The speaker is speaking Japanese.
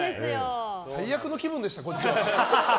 最悪の気分でした、こっちは。